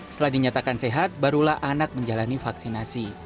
setelah dinyatakan sehat barulah anak menjalani vaksinasi